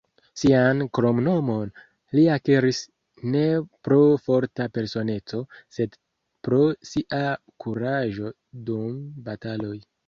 Sian kromnomon li akiris ne pro forta personeco, sed pro sia kuraĝo dum bataloj.